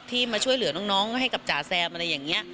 มาช่วยเหลือน้องให้กับจ๋าแซมอะไรอย่างนี้